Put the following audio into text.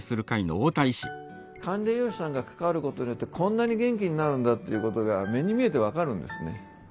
管理栄養士さんが関わることによってこんなに元気になるんだっていうことが目に見えて分かるんですね。